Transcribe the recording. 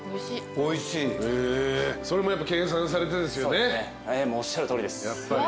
それもやっぱ計算されてんですよね？